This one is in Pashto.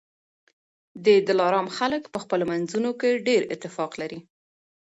د دلارام خلک په خپلو منځونو کي ډېر اتفاق لري